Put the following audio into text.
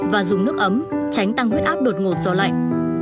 và dùng nước ấm tránh tăng huyết áp đột ngột do lạnh